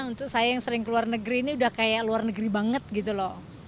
untuk saya yang sering keluar negeri ini udah kayak luar negeri banget gitu loh